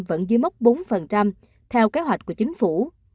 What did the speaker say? vẫn dưới mốc bốn theo kế hoạch của chính phủ